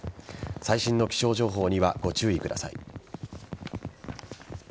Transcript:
最新の気象情報にはご注意ください。